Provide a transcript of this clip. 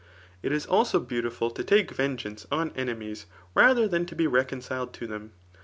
It is also beautiful to take ven geance on enemies rather than to be reconciled to them.